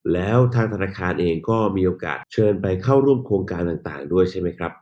แล้วทางธนาคารเองก็มีโอกาสเชิญไปเข้าร่วมโครงการต่างด้วยใช่ไหมครับ